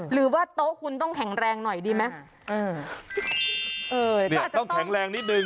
หรือว่าโต๊ะคุณต้องแข็งแรงหน่อยดีไหมเออเออเนี้ยต้องแข็งแรงนิดนึง